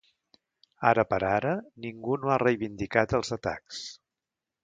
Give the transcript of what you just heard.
Ara per ara ningú no ha reivindicat els atacs.